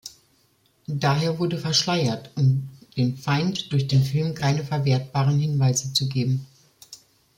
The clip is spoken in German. Daher wurde verschleiert, um dem Feind durch den Film keine verwertbaren Hinweise zu geben.